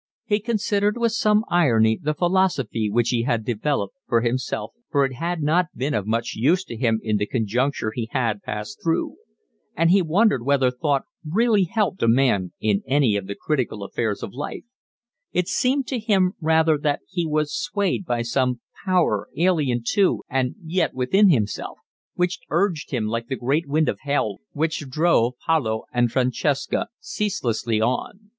He considered with some irony the philosophy which he had developed for himself, for it had not been of much use to him in the conjuncture he had passed through; and he wondered whether thought really helped a man in any of the critical affairs of life: it seemed to him rather that he was swayed by some power alien to and yet within himself, which urged him like that great wind of Hell which drove Paolo and Francesca ceaselessly on.